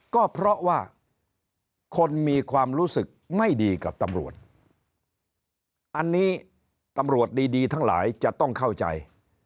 ก็เพราะว่าคนมีความรู้สึกไม่ดีกับตำรวจอันนี้ตำรวจดีทั้งหลายจะต้องเข้าใจ